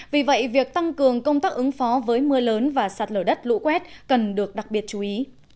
vì vậy việc tăng cường công tác ứng phó với mưa lớn và sạt lở đất lũ quét cần được đặc biệt chú ý